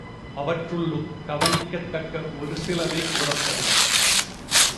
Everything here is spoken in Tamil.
அவற்றுள்ளும் கவனிக்கத்தக்க ஒரு சிலவே, கூறப்படும்.